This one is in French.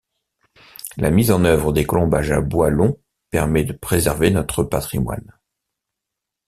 La mise en œuvre des colombages à bois longs permet de préserver notre patrimoine.